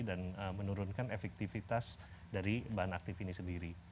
dan menurunkan efektivitas dari bahan aktif ini sendiri